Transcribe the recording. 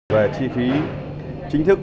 về chi phí chính thức